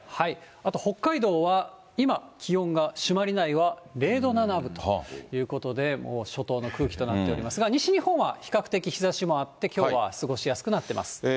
あと北海道は今、気温が朱鞠内は０度７分ということで、もう初冬の空気となっておりますが、西日本は比較的日ざしもあって、きょうは過ごしやすくなっています。